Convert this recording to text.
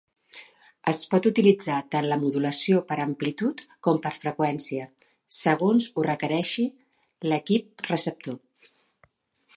Es pot utilitzar tant la modulació per amplitud com per freqüència, segons ho requereixi l'equip receptor.